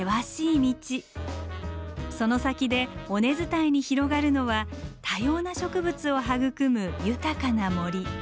その先で尾根伝いに広がるのは多様な植物を育む豊かな森。